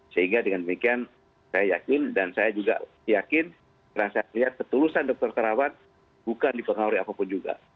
sehingga dengan demikian saya yakin dan saya juga yakin dan saya lihat ketulusan dokter terawat bukan dipengaruhi apapun juga